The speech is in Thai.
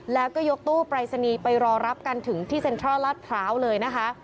แล้วก็ยกตู้ปรายศนีย์ไปรอรับกันถึงที่เซ็นทรัลลาดพร้าวเลยนะคะ